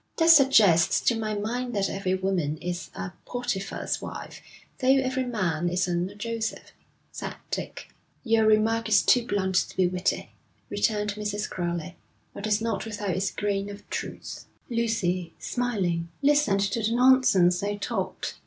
'That suggests to my mind that every woman is a Potiphar's wife, though every man isn't a Joseph,' said Dick. 'Your remark is too blunt to be witty,' returned Mrs. Crowley, 'but it's not without its grain of truth.' Lucy, smiling, listened to the nonsense they talked.